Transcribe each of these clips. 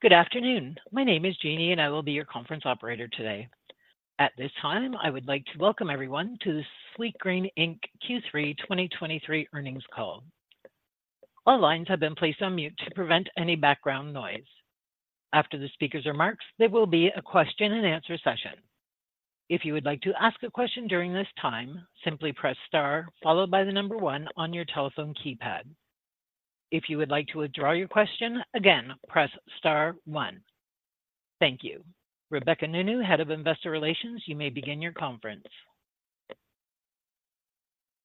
Good afternoon. My name is Jeannie, and I will be your conference operator today. At this time, I would like to welcome everyone to the Sweetgreen Inc. Q3 2023 earnings call. All lines have been placed on mute to prevent any background noise. After the speaker's remarks, there will be a question and answer session. If you would like to ask a question during this time, simply press star, followed by the number one on your telephone keypad. If you would like to withdraw your question, again, press star one. Thank you. Rebecca Nounou, Head of Investor Relations, you may begin your conference.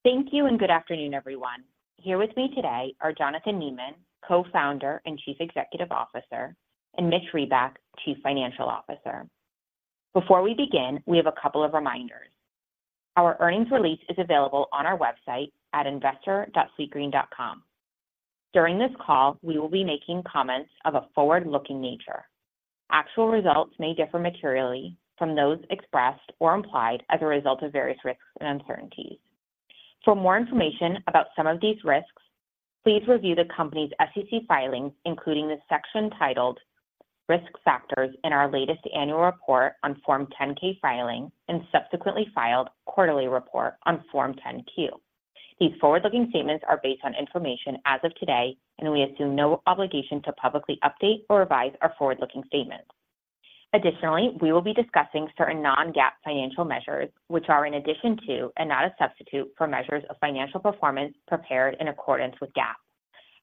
Thank you, and good afternoon, everyone. Here with me today are Jonathan Neman, Co-Founder and Chief Executive Officer, and Mitch Reback, Chief Financial Officer. Before we begin, we have a couple of reminders. Our earnings release is available on our website at investor.sweetgreen.com. During this call, we will be making comments of a forward-looking nature. Actual results may differ materially from those expressed or implied as a result of various risks and uncertainties. For more information about some of these risks, please review the company's SEC filings, including the section titled "Risk Factors" in our latest annual report on Form 10-K filing and subsequently filed quarterly report on Form 10-Q. These forward-looking statements are based on information as of today, and we assume no obligation to publicly update or revise our forward-looking statements. Additionally, we will be discussing certain non-GAAP financial measures, which are in addition to and not a substitute for measures of financial performance prepared in accordance with GAAP.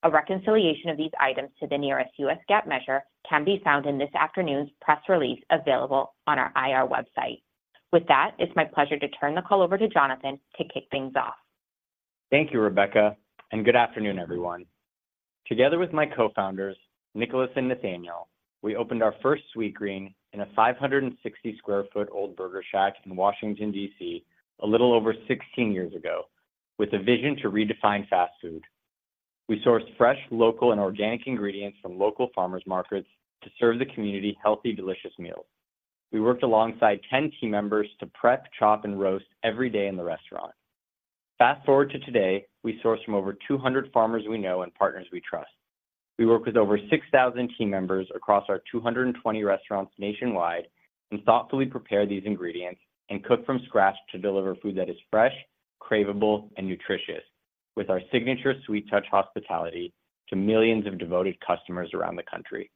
A reconciliation of these items to the nearest US GAAP measure can be found in this afternoon's press release, available on our IR website. With that, it's my pleasure to turn the call over to Jonathan to kick things off. Thank you, Rebecca, and good afternoon, everyone. Together with my co-founders, Nicolas and Nathaniel, we opened our first Sweetgreen in a 500 sq ft old burger shack in Washington, D.C., a little over 16 years ago, with a vision to redefine fast food. We sourced fresh, local, and organic ingredients from local farmers markets to serve the community healthy, delicious meals. We worked alongside 10 team members to prep, chop, and roast every day in the restaurant. Fast forward to today, we source from over 200 farmers we know and partners we trust. We work with over 6,000 team members across our 220 restaurants nationwide and thoughtfully prepare these ingredients and cook from scratch to deliver food that is fresh, craveable, and nutritious, with our signature Sweet Touch hospitality to millions of devoted customers around the country.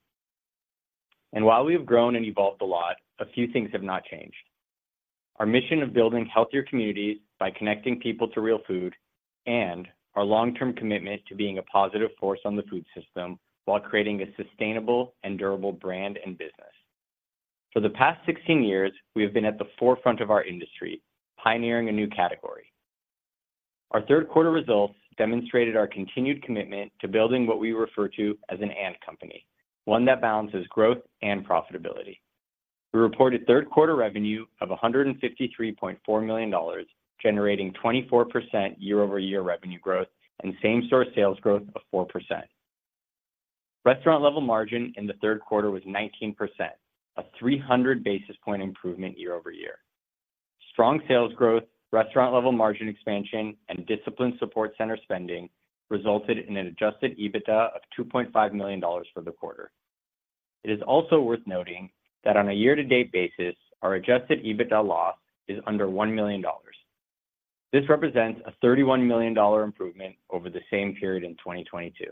While we have grown and evolved a lot, a few things have not changed. Our mission of building healthier communities by connecting people to real food and our long-term commitment to being a positive force on the food system while creating a sustainable and durable brand and business. For the past 16 years, we have been at the forefront of our industry, pioneering a new category. Our third quarter results demonstrated our continued commitment to building what we refer to as an and company, one that balances growth and profitability. We reported third quarter revenue of $153.4 million, generating 24% year-over-year revenue growth and same-store sales growth of 4%. Restaurant-level margin in the third quarter was 19%, a 300 basis point improvement year-over-year. Strong sales growth, restaurant-level margin expansion, and disciplined support center spending resulted in an adjusted EBITDA of $2.5 million for the quarter. It is also worth noting that on a year-to-date basis, our adjusted EBITDA loss is under $1 million. This represents a $31 million improvement over the same period in 2022.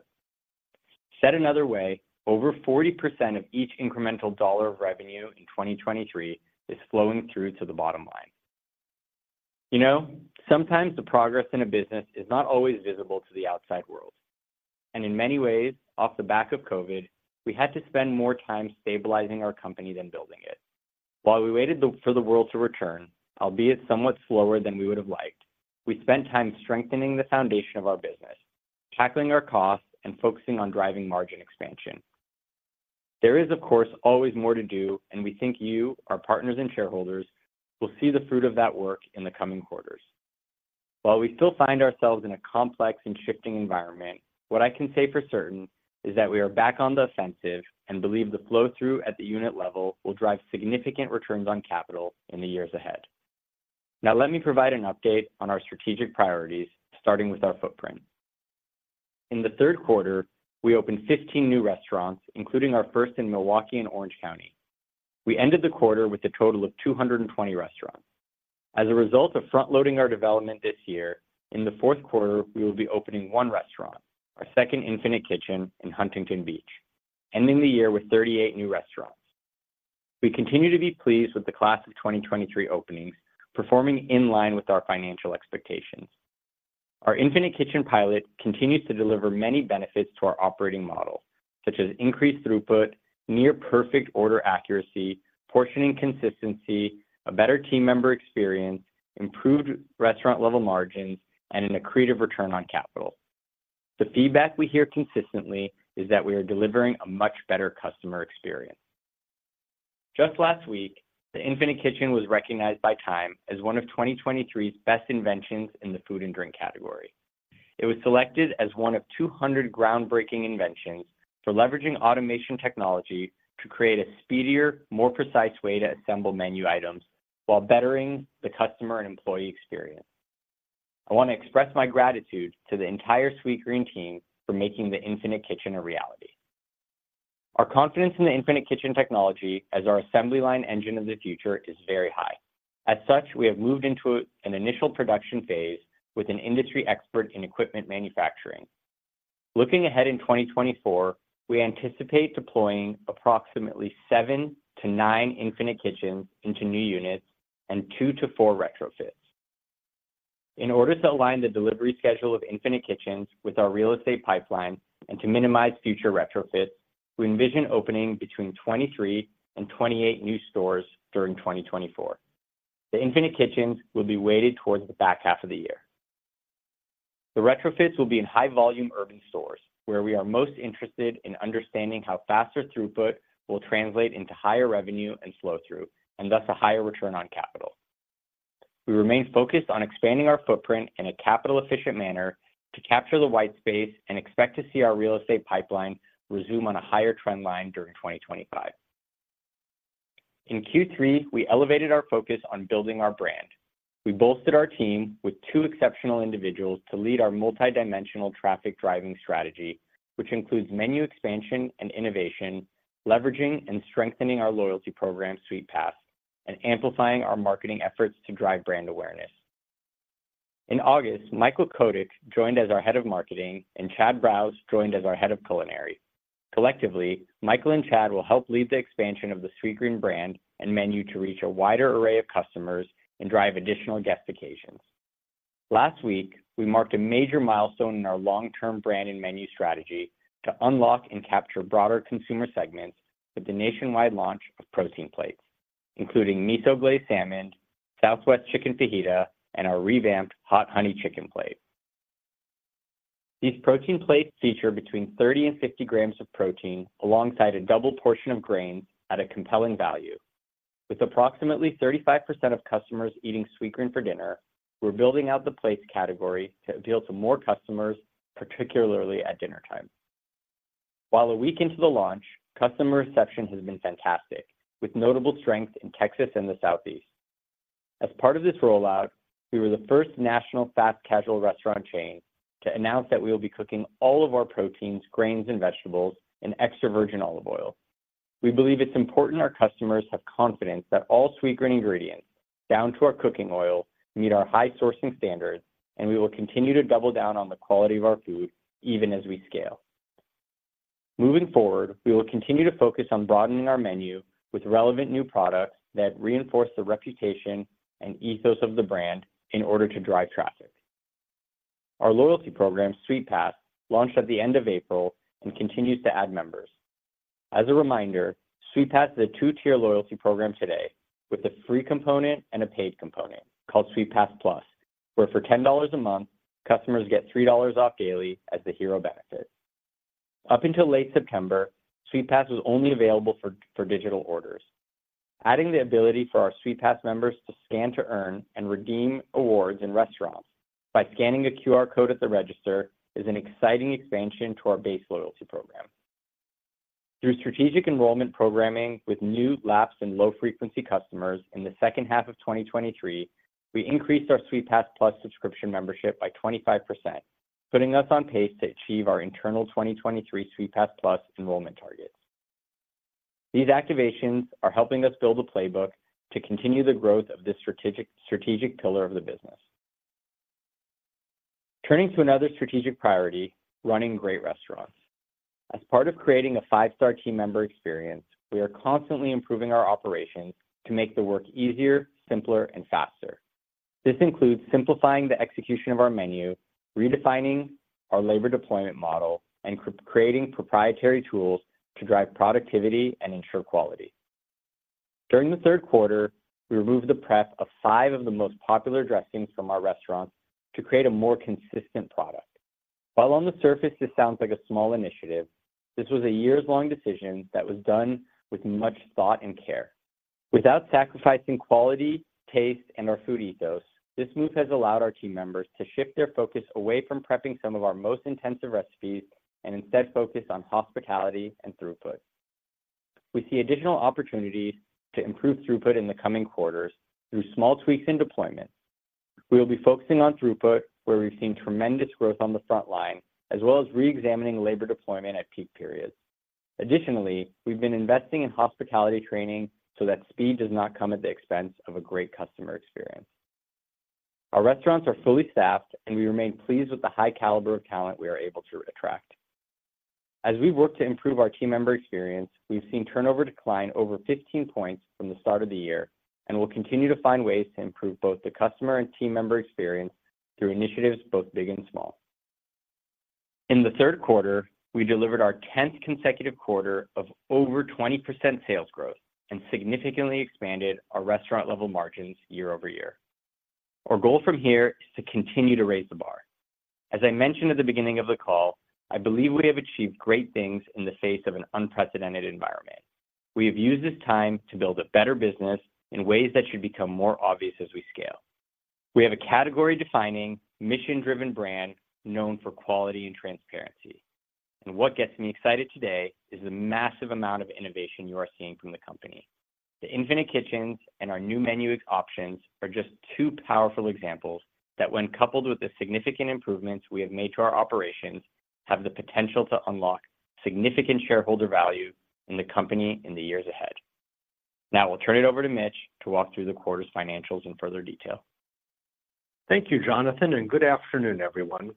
Said another way, over 40% of each incremental dollar of revenue in 2023 is flowing through to the bottom line. You know, sometimes the progress in a business is not always visible to the outside world, and in many ways, off the back of COVID, we had to spend more time stabilizing our company than building it. While we waited for the world to return, albeit somewhat slower than we would have liked, we spent time strengthening the foundation of our business, tackling our costs, and focusing on driving margin expansion. There is, of course, always more to do, and we think you, our partners and shareholders, will see the fruit of that work in the coming quarters. While we still find ourselves in a complex and shifting environment, what I can say for certain is that we are back on the offensive and believe the flow-through at the unit level will drive significant returns on capital in the years ahead. Now, let me provide an update on our strategic priorities, starting with our footprint. In the third quarter, we opened 15 new restaurants, including our first in Milwaukee and Orange County. We ended the quarter with a total of 220 restaurants. As a result of front-loading our development this year, in the fourth quarter, we will be opening 1 restaurant, our second Infinite Kitchen in Huntington Beach, ending the year with 38 new restaurants. We continue to be pleased with the class of 2023 openings, performing in line with our financial expectations. Our Infinite Kitchen pilot continues to deliver many benefits to our operating model, such as increased throughput, near-perfect order accuracy, portioning consistency, a better team member experience, improved restaurant-level margins, and an accretive return on capital. The feedback we hear consistently is that we are delivering a much better customer experience. Just last week, the Infinite Kitchen was recognized by Time as one of 2023's best inventions in the food and drink category. It was selected as one of 200 groundbreaking inventions for leveraging automation technology to create a speedier, more precise way to assemble menu items while bettering the customer and employee experience.... I want to express my gratitude to the entire Sweetgreen team for making the Infinite Kitchen a reality. Our confidence in the Infinite Kitchen technology as our assembly line engine of the future is very high. As such, we have moved into an initial production phase with an industry expert in equipment manufacturing. Looking ahead in 2024, we anticipate deploying approximately 7-9 Infinite Kitchens into new units and 2-4 retrofits. In order to align the delivery schedule of Infinite Kitchens with our real estate pipeline and to minimize future retrofits, we envision opening between 23-28 new stores during 2024. The Infinite Kitchens will be weighted towards the back half of the year. The retrofits will be in high-volume urban stores, where we are most interested in understanding how faster throughput will translate into higher revenue and flow through, and thus a higher return on capital. We remain focused on expanding our footprint in a capital-efficient manner to capture the white space and expect to see our real estate pipeline resume on a higher trend line during 2025. In Q3, we elevated our focus on building our brand. We bolstered our team with two exceptional individuals to lead our multidimensional traffic-driving strategy, which includes menu expansion and innovation, leveraging and strengthening our loyalty program, Sweetpass, and amplifying our marketing efforts to drive brand awareness. In August, Michael Kotick joined as our Head of Marketing, and Chad Brauze joined as our Head of Culinary. Collectively, Michael and Chad will help lead the expansion of the Sweetgreen brand and menu to reach a wider array of customers and drive additional guest occasions. Last week, we marked a major milestone in our long-term brand and menu strategy to unlock and capture broader consumer segments with the nationwide launch of Protein Plates, including Miso Glazed Salmon, Southwest Chicken Fajita, and our revamped Hot Honey Chicken Plate. These Protein Plates feature between 30 and 50 grams of protein, alongside a double portion of grains at a compelling value. With approximately 35% of customers eating Sweetgreen for dinner, we're building out the plates category to appeal to more customers, particularly at dinner time. While a week into the launch, customer reception has been fantastic, with notable strength in Texas and the Southeast. As part of this rollout, we were the first national fast casual restaurant chain to announce that we will be cooking all of our proteins, grains, and vegetables in extra virgin olive oil. We believe it's important our customers have confidence that all Sweetgreen ingredients, down to our cooking oil, meet our high sourcing standards, and we will continue to double down on the quality of our food, even as we scale. Moving forward, we will continue to focus on broadening our menu with relevant new products that reinforce the reputation and ethos of the brand in order to drive traffic. Our loyalty program, Sweetpass, launched at the end of April and continues to add members. As a reminder, Sweetpass is a two-tier loyalty program today, with a free component and a paid component called Sweetpass+, where for $10 a month, customers get $3 off daily as the hero benefit. Up until late September, Sweetpass was only available for digital orders. Adding the ability for our Sweetpass members to scan to earn and redeem awards in restaurants by scanning a QR code at the register, is an exciting expansion to our base loyalty program. Through strategic enrollment programming with new, lapsed, and low-frequency customers in the second half of 2023, we increased our Sweetpass+ subscription membership by 25%, putting us on pace to achieve our internal 2023 Sweetpass+ enrollment targets. These activations are helping us build a playbook to continue the growth of this strategic pillar of the business. Turning to another strategic priority: running great restaurants. As part of creating a five-star team member experience, we are constantly improving our operations to make the work easier, simpler, and faster. This includes simplifying the execution of our menu, redefining our labor deployment model, and creating proprietary tools to drive productivity and ensure quality. During the third quarter, we removed the prep of five of the most popular dressings from our restaurants to create a more consistent product. While on the surface, this sounds like a small initiative, this was a years-long decision that was done with much thought and care. Without sacrificing quality, taste, and our food ethos, this move has allowed our team members to shift their focus away from prepping some of our most intensive recipes, and instead focus on hospitality and throughput. We see additional opportunities to improve throughput in the coming quarters through small tweaks in deployment. We will be focusing on throughput, where we've seen tremendous growth on the front line, as well as re-examining labor deployment at peak periods. Additionally, we've been investing in hospitality training so that speed does not come at the expense of a great customer experience. Our restaurants are fully staffed, and we remain pleased with the high caliber of talent we are able to attract. As we work to improve our team member experience, we've seen turnover decline over 15 points from the start of the year, and we'll continue to find ways to improve both the customer and team member experience through initiatives, both big and small. In the third quarter, we delivered our 10th consecutive quarter of over 20% sales growth and significantly expanded our restaurant-level margins year-over-year. Our goal from here is to continue to raise the bar. As I mentioned at the beginning of the call, I believe we have achieved great things in the face of an unprecedented environment. We have used this time to build a better business in ways that should become more obvious as we scale. We have a category-defining, mission-driven brand known for quality and transparency.... What gets me excited today is the massive amount of innovation you are seeing from the company. The Infinite Kitchens and our new menu options are just two powerful examples that, when coupled with the significant improvements we have made to our operations, have the potential to unlock significant shareholder value in the company in the years ahead. Now we'll turn it over to Mitch to walk through the quarter's financials in further detail. Thank you, Jonathan, and good afternoon, everyone.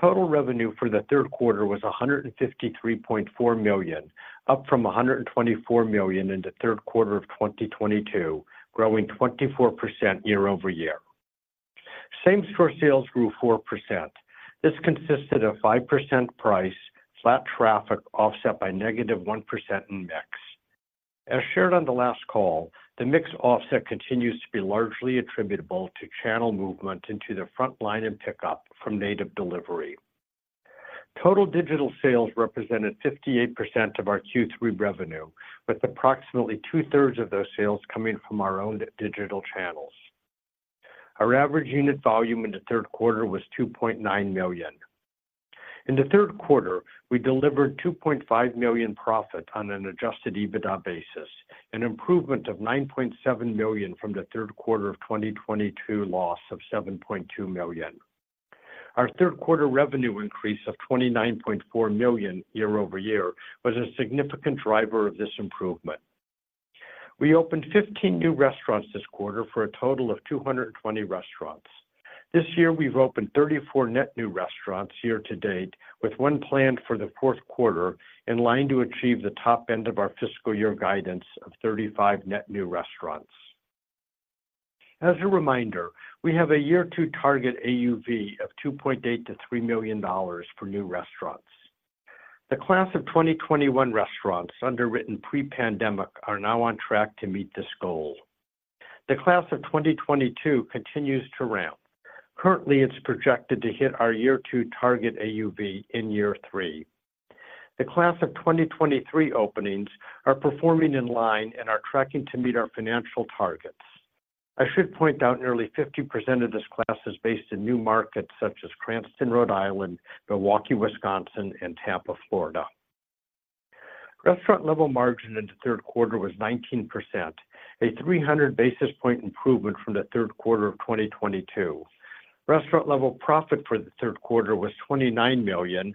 Total revenue for the third quarter was $153.4 million, up from $124 million in the third quarter of 2022, growing 24% year-over-year. Same-store sales grew 4%. This consisted of 5% price, flat traffic, offset by -1% in mix. As shared on the last call, the mix offset continues to be largely attributable to channel movement into the frontline and pickup from native delivery. Total digital sales represented 58% of our Q3 revenue, with approximately 2/3 of those sales coming from our own digital channels. Our average unit volume in the third quarter was $2.9 million. In the third quarter, we delivered $2.5 million profit on an Adjusted EBITDA basis, an improvement of $9.7 million from the third quarter of 2022 loss of $7.2 million. Our third quarter revenue increase of $29.4 million year-over-year was a significant driver of this improvement. We opened 15 new restaurants this quarter for a total of 220 restaurants. This year, we've opened 34 net new restaurants year to date, with 1 planned for the fourth quarter, in line to achieve the top end of our fiscal year guidance of 35 net new restaurants. As a reminder, we have a year two target AUV of $2.8 million-$3 million for new restaurants. The class of 2021 restaurants underwritten pre-pandemic are now on track to meet this goal. The class of 2022 continues to ramp. Currently, it's projected to hit our year two target AUV in year three. The class of 2023 openings are performing in line and are tracking to meet our financial targets. I should point out, nearly 50% of this class is based in new markets such as Cranston, Rhode Island, Milwaukee, Wisconsin, and Tampa, Florida. Restaurant level margin in the third quarter was 19%, a 300 basis point improvement from the third quarter of 2022. Restaurant level profit for the third quarter was $29 million,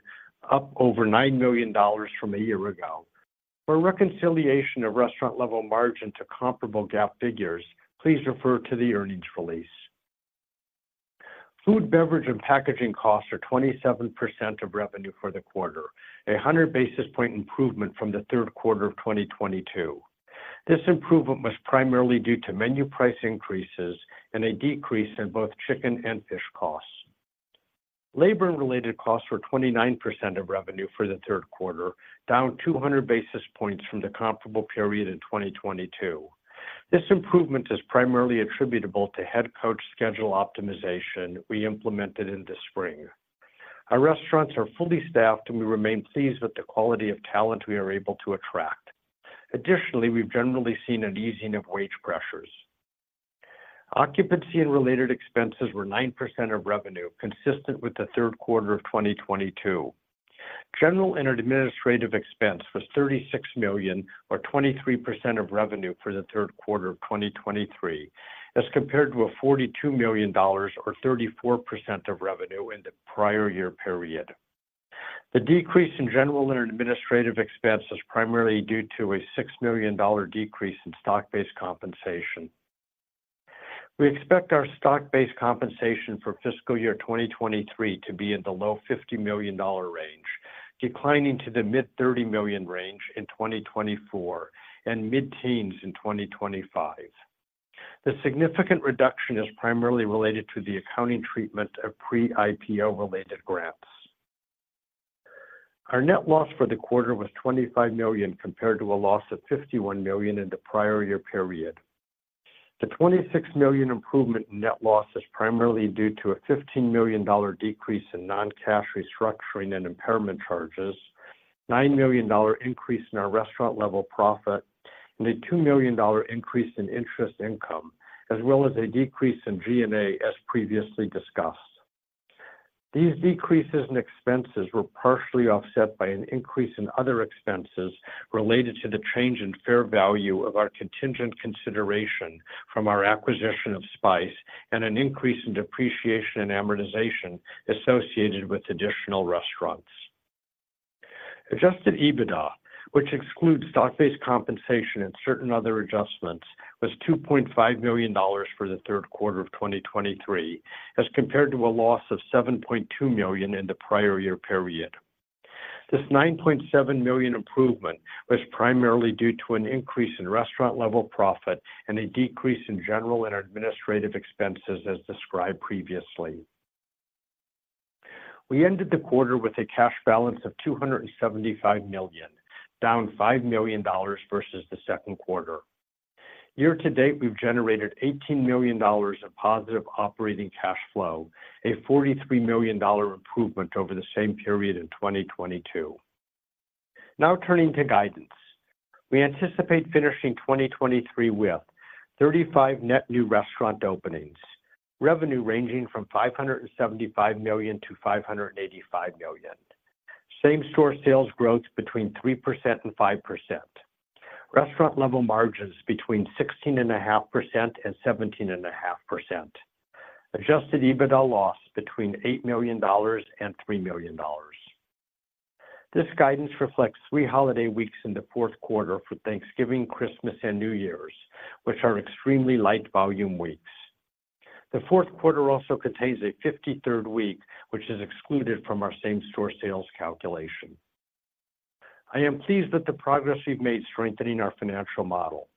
up over $9 million from a year ago. For a reconciliation of restaurant level margin to comparable GAAP figures, please refer to the earnings release. Food, beverage, and packaging costs are 27% of revenue for the quarter, a 100 basis point improvement from the third quarter of 2022. This improvement was primarily due to menu price increases and a decrease in both chicken and fish costs. Labor and related costs were 29% of revenue for the third quarter, down 200 basis points from the comparable period in 2022. This improvement is primarily attributable to headcount schedule optimization we implemented in the spring. Our restaurants are fully staffed, and we remain pleased with the quality of talent we are able to attract. Additionally, we've generally seen an easing of wage pressures. Occupancy and related expenses were 9% of revenue, consistent with the third quarter of 2022. General and administrative expense was $36 million or 23% of revenue for the third quarter of 2023, as compared to $42 million or 34% of revenue in the prior year period. The decrease in general and administrative expense is primarily due to a $6 million decrease in stock-based compensation. We expect our stock-based compensation for fiscal year 2023 to be in the low $50 million range, declining to the mid-$30 million range in 2024 and mid-teens in 2025. The significant reduction is primarily related to the accounting treatment of pre-IPO related grants. Our net loss for the quarter was $25 million, compared to a loss of $51 million in the prior year period. The $26 million improvement in net loss is primarily due to a $15 million decrease in non-cash restructuring and impairment charges, $9 million increase in our restaurant level profit, and a $2 million increase in interest income, as well as a decrease in G&A, as previously discussed. These decreases in expenses were partially offset by an increase in other expenses related to the change in fair value of our contingent consideration from our acquisition of Spyce and an increase in depreciation and amortization associated with additional restaurants. Adjusted EBITDA, which excludes stock-based compensation and certain other adjustments, was $2.5 million for the third quarter of 2023, as compared to a loss of $7.2 million in the prior year period. This $9.7 million improvement was primarily due to an increase in restaurant level profit and a decrease in general and administrative expenses as described previously. We ended the quarter with a cash balance of $275 million, down $5 million versus the second quarter. Year to date, we've generated $18 million of positive operating cash flow, a $43 million improvement over the same period in 2022. Now turning to guidance. We anticipate finishing 2023 with 35 net new restaurant openings, revenue ranging from $575 million-$585 million, same-store sales growth between 3% and 5%, restaurant-level margins between 16.5% and 17.5%, Adjusted EBITDA loss between $8 million and $3 million. This guidance reflects three holiday weeks in the fourth quarter for Thanksgiving, Christmas, and New Year's, which are extremely light volume weeks. The fourth quarter also contains a 53rd week, which is excluded from our same-store sales calculation. I am pleased with the progress we've made strengthening our financial model.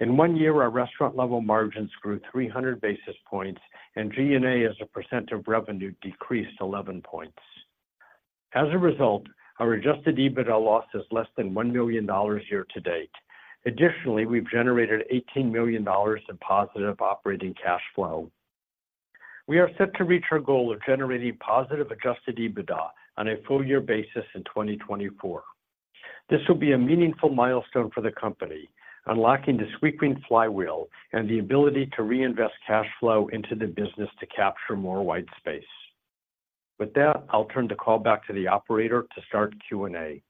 In one year, our restaurant-level margins grew 300 basis points, and G&A, as a percent of revenue, decreased 11 points. As a result, our Adjusted EBITDA loss is less than $1 million year to date. Additionally, we've generated $18 million in positive operating cash flow. We are set to reach our goal of generating positive Adjusted EBITDA on a full year basis in 2024. This will be a meaningful milestone for the company, unlocking the Sweetgreen flywheel and the ability to reinvest cash flow into the business to capture more white space. With that, I'll turn the call back to the operator to start Q&A.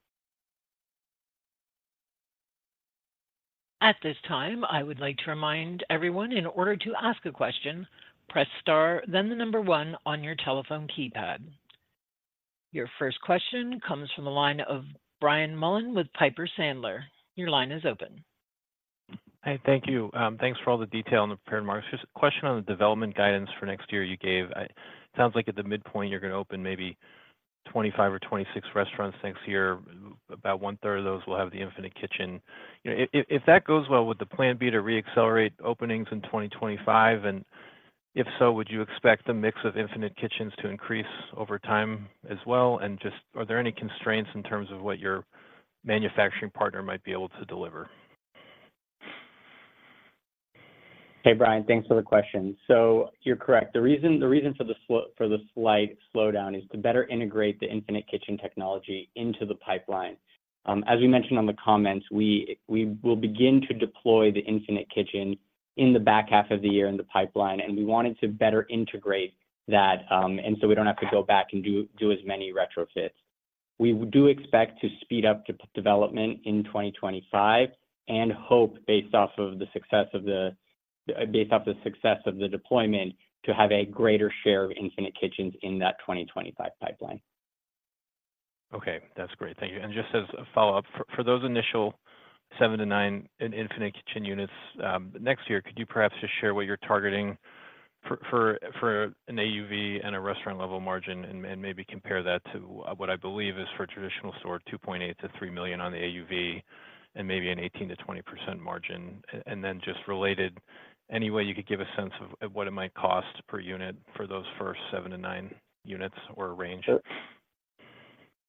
At this time, I would like to remind everyone, in order to ask a question, press star, then the number one on your telephone keypad. Your first question comes from the line of Brian Mullan with Piper Sandler. Your line is open. Hi, thank you. Thanks for all the detail in the prepared remarks. Just a question on the development guidance for next year you gave. Sounds like at the midpoint, you're going to open maybe 25 or 26 restaurants next year. About one third of those will have the Infinite Kitchen. You know, if, if, if that goes well, would the plan be to reaccelerate openings in 2025? And if so, would you expect the mix of Infinite Kitchens to increase over time as well? And just are there any constraints in terms of what your manufacturing partner might be able to deliver? Hey, Brian, thanks for the question. So you're correct. The reason, the reason for the slight slowdown is to better integrate the Infinite Kitchen technology into the pipeline. As we mentioned on the comments, we, we will begin to deploy the Infinite Kitchen in the back half of the year in the pipeline, and we wanted to better integrate that, and so we don't have to go back and do, do as many retrofits. We do expect to speed up development in 2025 and hope, based off of the success of the deployment, to have a greater share of Infinite Kitchens in that 2025 pipeline. Okay, that's great. Thank you. And just as a follow-up, for those initial 7-9 Infinite Kitchen units, next year, could you perhaps just share what you're targeting for an AUV and a restaurant-level margin and maybe compare that to what I believe is for a traditional store, $2.8 million-$3 million on the AUV and maybe an 18%-20% margin? And then just related, any way you could give a sense of what it might cost per unit for those first 7-9 units or range?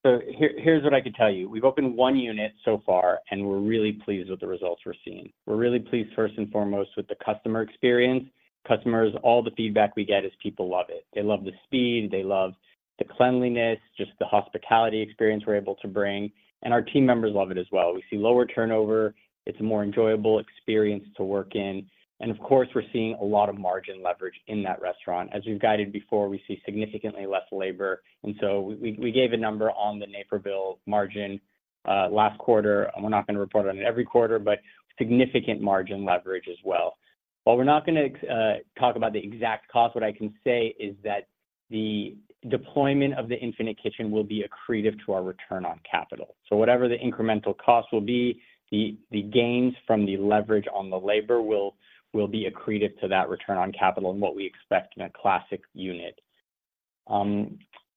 So here, here's what I can tell you. We've opened one unit so far, and we're really pleased with the results we're seeing. We're really pleased, first and foremost, with the customer experience. Customers, all the feedback we get is people love it. They love the speed, they love the cleanliness, just the hospitality experience we're able to bring, and our team members love it as well. We see lower turnover. It's a more enjoyable experience to work in. And of course, we're seeing a lot of margin leverage in that restaurant. As we've guided before, we see significantly less labor, and so we gave a number on the Naperville margin, last quarter. We're not going to report on it every quarter, but significant margin leverage as well. While we're not going to talk about the exact cost, what I can say is that the deployment of the Infinite Kitchen will be accretive to our return on capital. So whatever the incremental cost will be, the gains from the leverage on the labor will be accretive to that return on capital and what we expect in a classic unit.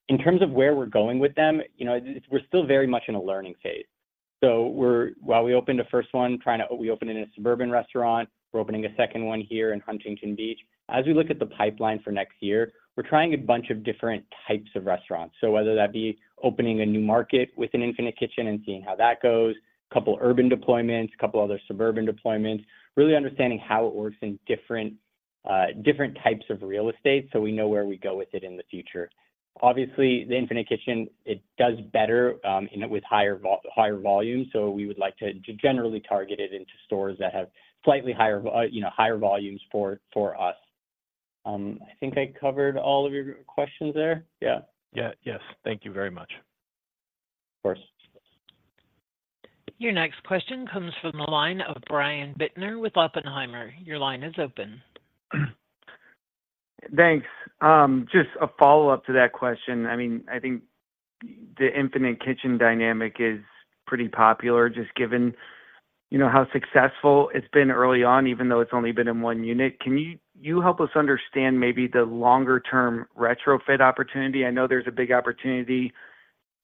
In terms of where we're going with them, you know, we're still very much in a learning phase. While we opened the first one in a suburban restaurant. We're opening a second one here in Huntington Beach. As we look at the pipeline for next year, we're trying a bunch of different types of restaurants. So whether that be opening a new market with an Infinite Kitchen and seeing how that goes, a couple urban deployments, a couple other suburban deployments, really understanding how it works in different, different types of real estate, so we know where we go with it in the future. Obviously, the Infinite Kitchen, it does better, in it with higher volume, so we would like to generally target it into stores that have slightly higher vol, you know, higher volumes for, for us. I think I covered all of your questions there. Yeah. Yeah. Yes. Thank you very much. Of course. Your next question comes from the line of Brian Bittner with Oppenheimer. Your line is open. Thanks. Just a follow-up to that question. I mean, I think the Infinite Kitchen dynamic is pretty popular, just given, you know, how successful it's been early on, even though it's only been in one unit. Can you help us understand maybe the longer-term retrofit opportunity? I know there's a big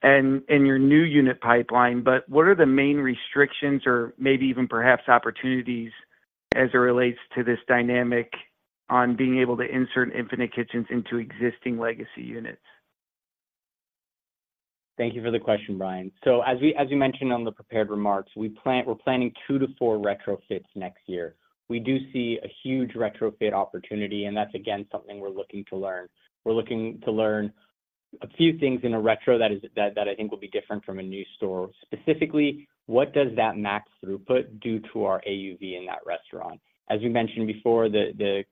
opportunity and in your new unit pipeline, but what are the main restrictions or maybe even perhaps opportunities as it relates to this dynamic on being able to insert Infinite Kitchens into existing legacy units? Thank you for the question, Brian. So as we mentioned on the prepared remarks, we're planning 2-4 retrofits next year. We do see a huge retrofit opportunity, and that's, again, something we're looking to learn. We're looking to learn a few things in a retro that I think will be different from a new store. Specifically, what does that max throughput do to our AUV in that restaurant? As we mentioned before, the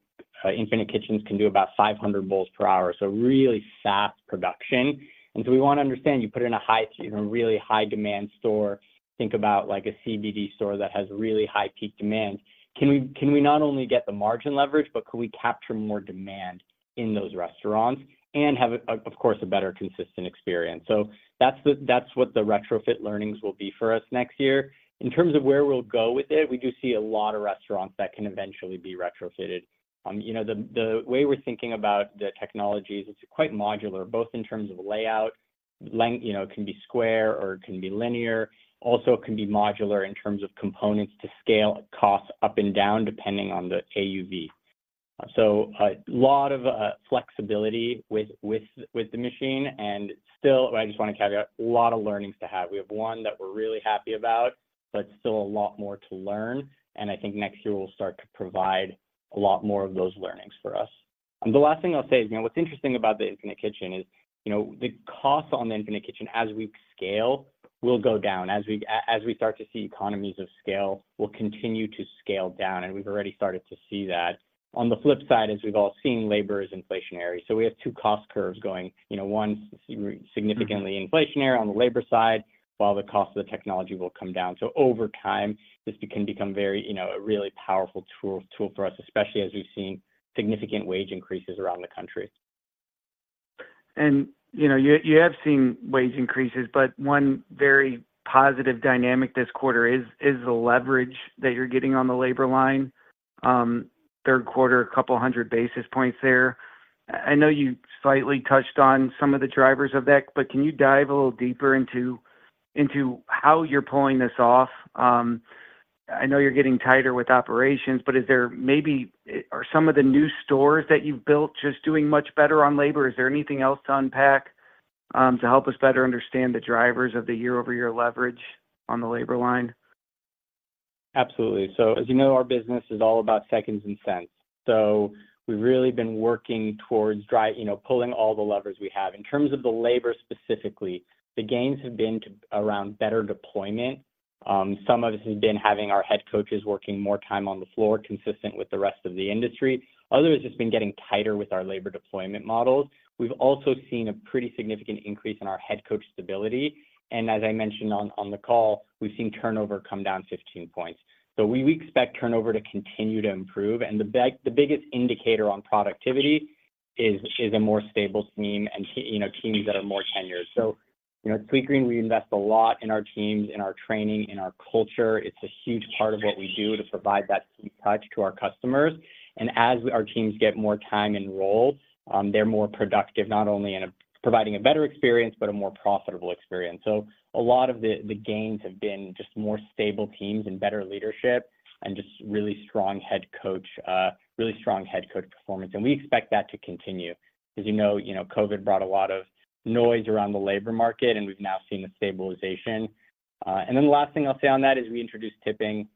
Infinite Kitchens can do about 500 bowls per hour, so really fast production. And so we want to understand, you put it in a high, in a really high-demand store, think about like a CBD store that has really high peak demand. Can we, can we not only get the margin leverage, but could we capture more demand in those restaurants and have a, of course, a better consistent experience? So that's the, that's what the retrofit learnings will be for us next year. In terms of where we'll go with it, we do see a lot of restaurants that can eventually be retrofitted. You know, the way we're thinking about the technology is it's quite modular, both in terms of layout, length, you know, it can be square or it can be linear. Also, it can be modular in terms of components to scale costs up and down, depending on the AUV. So a lot of flexibility with the machine. And still, I just want to caveat, a lot of learnings to have. We have one that we're really happy about, but still a lot more to learn, and I think next year will start to provide a lot more of those learnings for us. And the last thing I'll say is, you know, what's interesting about the Infinite Kitchen is, you know, the cost on the Infinite Kitchen as we scale, will go down. As we start to see economies of scale, we'll continue to scale down, and we've already started to see that. On the flip side, as we've all seen, labor is inflationary, so we have two cost curves going. You know, one, significantly inflationary on the labor side, while the cost of the technology will come down. So over time, this can become very, you know, a really powerful tool for us, especially as we've seen significant wage increases around the country. You know, you have seen wage increases, but one very positive dynamic this quarter is the leverage that you're getting on the labor line. Third quarter, a couple of hundred basis points there. I know you slightly touched on some of the drivers of that, but can you dive a little deeper into how you're pulling this off? I know you're getting tighter with operations, but is there maybe... Are some of the new stores that you've built just doing much better on labor? Is there anything else to unpack, to help us better understand the drivers of the year-over-year leverage on the labor line? Absolutely. So as you know, our business is all about seconds and cents. So we've really been working towards drive, you know, pulling all the levers we have. In terms of the labor specifically, the gains have been to around better deployment. Some of this has been having our head coaches working more time on the floor, consistent with the rest of the industry. Others, it's been getting tighter with our labor deployment models. We've also seen a pretty significant increase in our head coach stability, and as I mentioned on the call, we've seen turnover come down 15 points. So we expect turnover to continue to improve, and the biggest indicator on productivity is a more stable team and, you know, teams that are more tenured. So you know, at Sweetgreen, we invest a lot in our teams, in our training, in our culture. It's a huge part of what we do to provide that sweet touch to our customers. And as our teams get more time enrolled, they're more productive, not only in providing a better experience, but a more profitable experience. So a lot of the, the gains have been just more stable teams and better leadership and just really strong head coach, really strong head coach performance, and we expect that to continue. As you know, you know, COVID brought a lot of noise around the labor market, and we've now seen the stabilization. And then the last thing I'll say on that is we introduced tipping,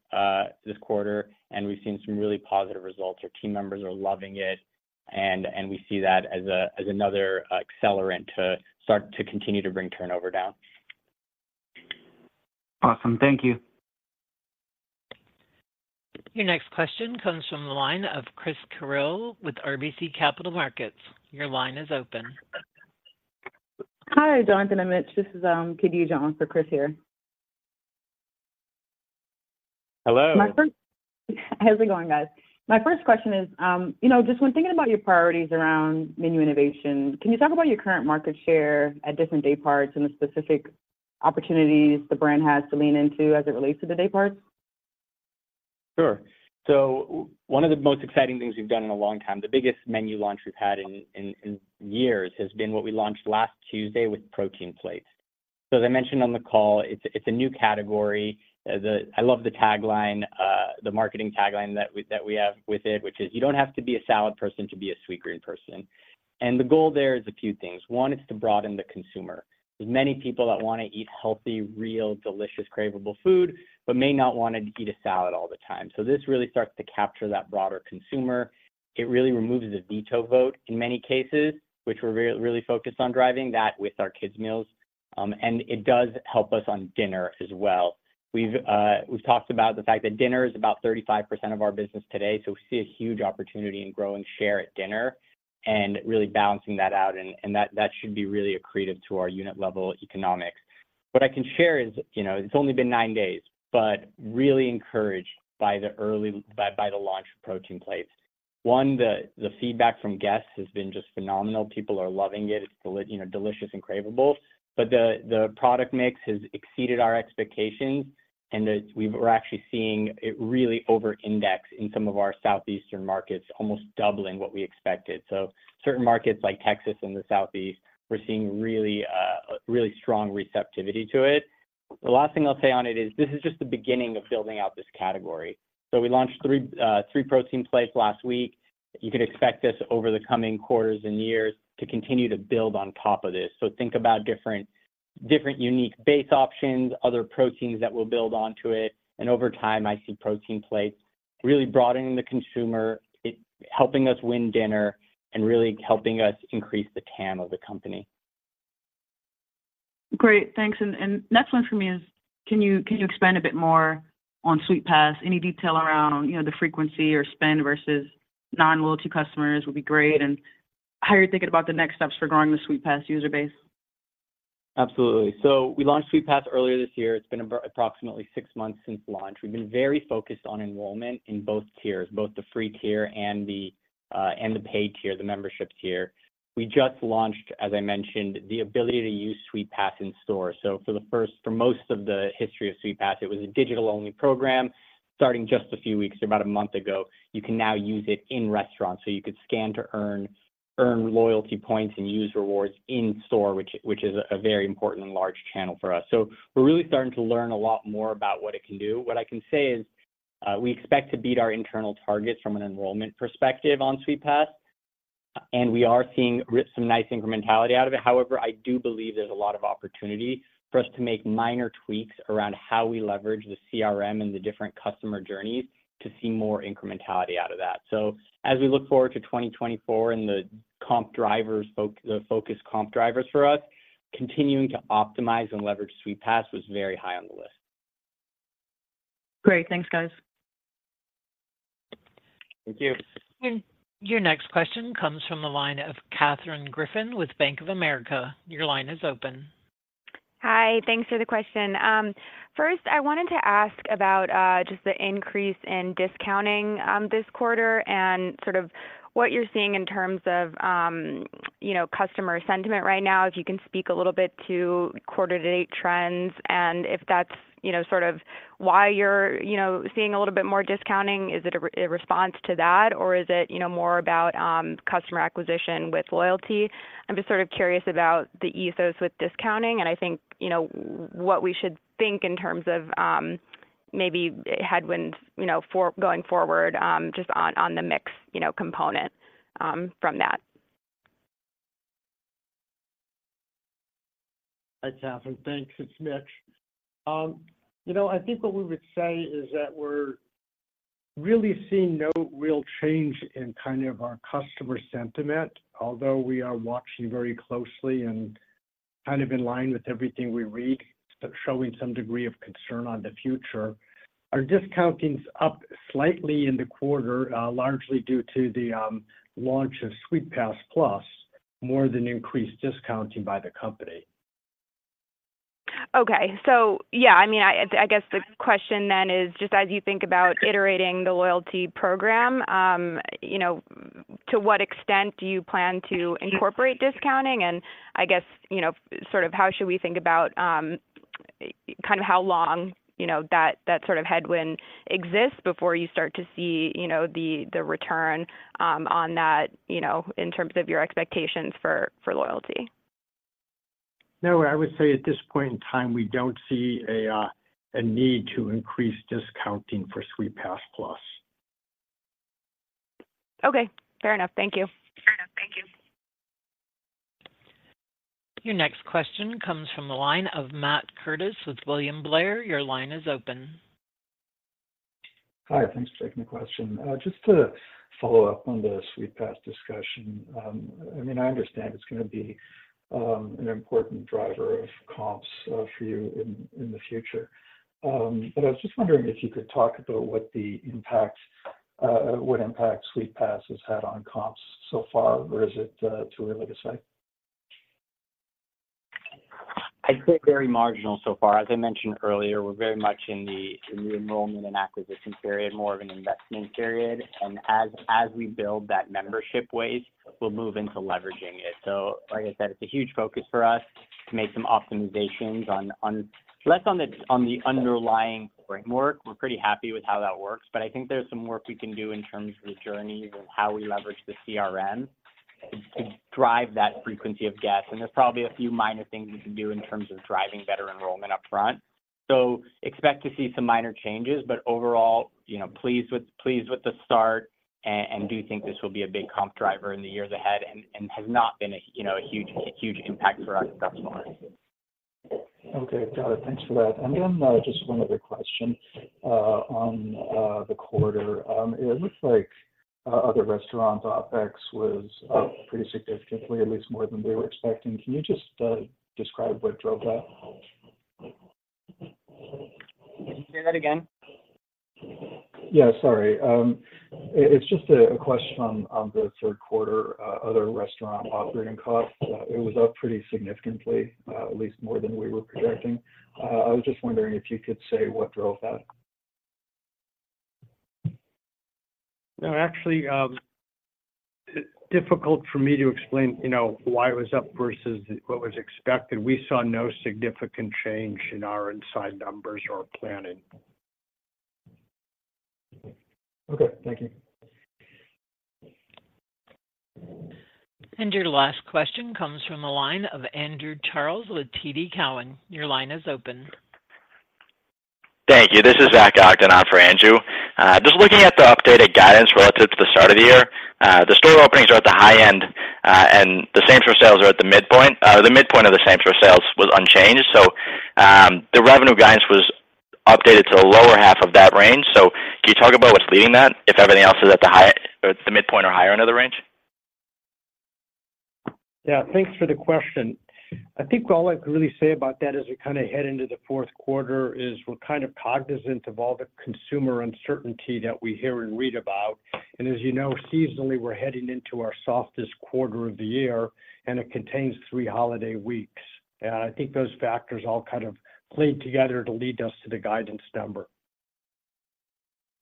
this quarter, and we've seen some really positive results. Our team members are loving it, and we see that as another accelerant to start to continue to bring turnover down. Awesome. Thank you. Your next question comes from the line of Chris Carril with RBC Capital Markets. Your line is open. Hi, Jonathan and Mitch. This is Katie John for Chris here. Hello. How's it going, guys? My first question is, you know, just when thinking about your priorities around menu innovation, can you talk about your current market share at different day parts and the specific opportunities the brand has to lean into as it relates to the day parts? Sure. So one of the most exciting things we've done in a long time, the biggest menu launch we've had in years, has been what we launched last Tuesday with Protein Plates. So as I mentioned on the call, it's a new category. I love the tagline, the marketing tagline that we have with it, which is: "You don't have to be a salad person to be a Sweetgreen person." And the goal there is a few things. One is to broaden the consumer. There's many people that want to eat healthy, real, delicious, craveable food, but may not want to eat a salad all the time. So this really starts to capture that broader consumer. It really removes the veto vote in many cases, which we're really focused on driving that with our kids' meals. And it does help us on dinner as well. We've, we've talked about the fact that dinner is about 35% of our business today, so we see a huge opportunity in growing share at dinner and really balancing that out, and that should be really accretive to our unit-level economics. What I can share is, you know, it's only been nine days, but really encouraged by the early by the launch of Protein Plates. One, the feedback from guests has been just phenomenal. People are loving it. It's you know, delicious and cravable. But the product mix has exceeded our expectations, and we're actually seeing it really over-index in some of our southeastern markets, almost doubling what we expected. So certain markets like Texas and the Southeast, we're seeing really, really strong receptivity to it. The last thing I'll say on it is, this is just the beginning of building out this category. So we launched three, three Protein Plates last week. You can expect this over the coming quarters and years to continue to build on top of this. So think about different, different unique base options, other proteins that will build onto it. And over time, I see Protein Plates-... really broadening the consumer, it helping us win dinner, and really helping us increase the TAM of the company. Great, thanks. Next one for me is, can you expand a bit more on Sweetpass? Any detail around, you know, the frequency or spend versus non-loyalty customers would be great, and how you're thinking about the next steps for growing the Sweetpass user base. Absolutely. So we launched Sweetpass earlier this year. It's been about approximately six months since launch. We've been very focused on enrollment in both tiers, both the free tier and the and the paid tier, the membership tier. We just launched, as I mentioned, the ability to use Sweetpass in store. So for most of the history of Sweetpass, it was a digital-only program. Starting just a few weeks, about a month ago, you can now use it in restaurants. So you could scan to earn loyalty points and use rewards in store, which is a very important and large channel for us. So we're really starting to learn a lot more about what it can do. What I can say is, we expect to beat our internal targets from an enrollment perspective on Sweetpass, and we are seeing some nice incrementality out of it. However, I do believe there's a lot of opportunity for us to make minor tweaks around how we leverage the CRM and the different customer journeys to see more incrementality out of that. So as we look forward to 2024 and the comp drivers—the focus comp drivers for us, continuing to optimize and leverage Sweetpass was very high on the list. Great. Thanks, guys. Thank you. Your next question comes from the line of Katherine Griffin with Bank of America. Your line is open. Hi, thanks for the question. First, I wanted to ask about just the increase in discounting this quarter and sort of what you're seeing in terms of you know customer sentiment right now. If you can speak a little bit to quarter-to-date trends, and if that's you know sort of why you're you know seeing a little bit more discounting. Is it a response to that, or is it you know more about customer acquisition with loyalty? I'm just sort of curious about the ethos with discounting, and I think you know what we should think in terms of maybe headwinds you know for going forward just on the mix you know component from that. Hi, Katherine. Thanks. It's Mitch. You know, I think what we would say is that we're really seeing no real change in kind of our customer sentiment, although we are watching very closely and kind of in line with everything we read, showing some degree of concern on the future. Our discounting is up slightly in the quarter, largely due to the launch of Sweetpass+, more than increased discounting by the company. Okay. So yeah, I mean, I guess the question then is, just as you think about iterating the loyalty program, you know, to what extent do you plan to incorporate discounting? And I guess, you know, sort of how should we think about, kind of how long, you know, that sort of headwind exists before you start to see, you know, the return, on that, you know, in terms of your expectations for loyalty? No, I would say at this point in time, we don't see a need to increase discounting for Sweetpass+. Okay, fair enough. Thank you. Fair enough. Thank you. Your next question comes from the line of Matt Curtis with William Blair. Your line is open. Hi, thanks for taking the question. Just to follow up on the Sweetpass discussion. I mean, I understand it's gonna be an important driver of comps for you in the future. But I was just wondering if you could talk about what impact Sweetpass has had on comps so far, or is it too early to say? I'd say very marginal so far. As I mentioned earlier, we're very much in the enrollment and acquisition period, more of an investment period, and as we build that membership base, we'll move into leveraging it. So like I said, it's a huge focus for us to make some optimizations on the underlying framework. We're pretty happy with how that works, but I think there's some work we can do in terms of the journeys and how we leverage the CRM to drive that frequency of guests. And there's probably a few minor things we can do in terms of driving better enrollment upfront. Expect to see some minor changes, but overall, you know, pleased with the start and do think this will be a big comp driver in the years ahead and has not been a, you know, a huge impact for us thus far. Okay, got it. Thanks for that. And then, just one other question on the quarter. It looks like other restaurant OpEx was up pretty significantly, at least more than we were expecting. Can you just describe what drove that? Can you say that again? Yeah, sorry. It's just a question on the third quarter other restaurant operating costs. It was up pretty significantly, at least more than we were projecting. I was just wondering if you could say what drove that. No, actually, it's difficult for me to explain, you know, why it was up versus what was expected. We saw no significant change in our inside numbers or planning. Okay. Thank you. Your last question comes from the line of Andrew Charles with TD Cowen. Your line is open. Thank you. This is Zach Ogden on for Andrew. Just looking at the updated guidance relative to the start of the year, the store openings are at the high end.... The same-store sales are at the midpoint, the midpoint of the same-store sales was unchanged. So, the revenue guidance was updated to the lower half of that range. So can you talk about what's leading that, if everything else is at the high, or at the midpoint or higher end of the range? Yeah, thanks for the question. I think all I can really say about that as we kinda head into the fourth quarter, is we're kind of cognizant of all the consumer uncertainty that we hear and read about. As you know, seasonally, we're heading into our softest quarter of the year, and it contains three holiday weeks. I think those factors all kind of played together to lead us to the guidance number.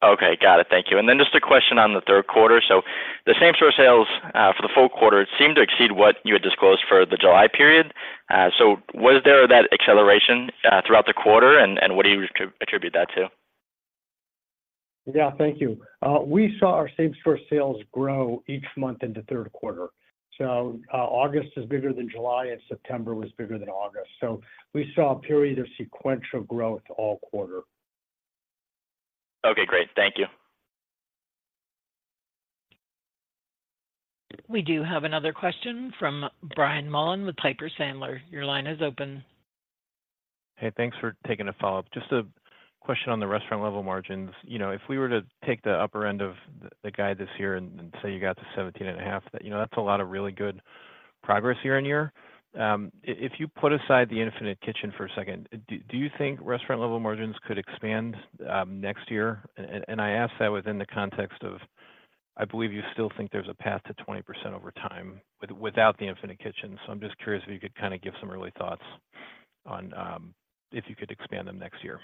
Okay, got it. Thank you. And then just a question on the third quarter. So the same-store sales for the full quarter seemed to exceed what you had disclosed for the July period. So was there that acceleration throughout the quarter, and what do you attribute that to? Yeah, thank you. We saw our same-store sales grow each month in the third quarter. So, August is bigger than July, and September was bigger than August. So we saw a period of sequential growth all quarter. Okay, great. Thank you. We do have another question from Brian Mullan with Piper Sandler. Your line is open. Hey, thanks for taking a follow-up. Just a question on the restaurant-level margins. You know, if we were to take the upper end of the guide this year and say you got to 17.5, that, you know, that's a lot of really good progress year-over-year. If you put aside the Infinite Kitchen for a second, do you think restaurant-level margins could expand next year? And I ask that within the context of, I believe you still think there's a path to 20% over time, without the Infinite Kitchen. So I'm just curious if you could kinda give some early thoughts on if you could expand them next year.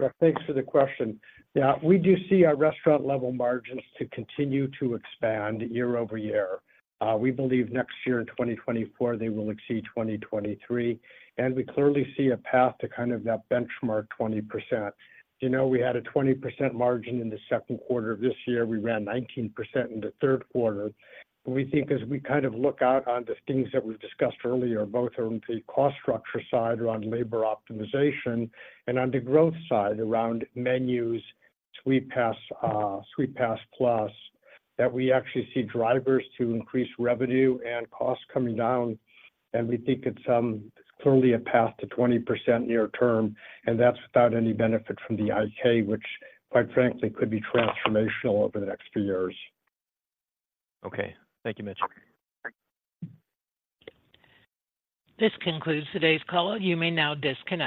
Yeah, thanks for the question. Yeah, we do see our restaurant level margins to continue to expand year-over-year. We believe next year, in 2024, they will exceed 2023, and we clearly see a path to kind of that benchmark, 20%. You know, we had a 20% margin in the second quarter of this year. We ran 19% in the third quarter. But we think as we kind of look out on the things that we've discussed earlier, both on the cost structure side, around labor optimization and on the growth side, around menus, Sweetpass, Sweetpass+, that we actually see drivers to increase revenue and costs coming down. We think it's clearly a path to 20% near term, and that's without any benefit from the IK, which, quite frankly, could be transformational over the next few years. Okay. Thank you, Mitch. This concludes today's call. You may now disconnect.